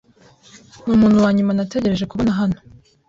Numuntu wanyuma nategereje kubona hano.